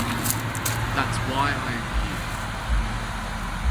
That's why I am here.